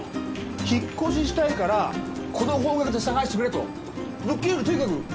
引越ししたいからこの方角で探してくれと物件よりとにかく方角なんですよ。